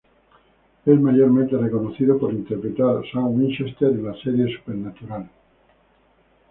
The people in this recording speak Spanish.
Es mayormente reconocido por interpretar a Sam Winchester en la serie "Supernatural".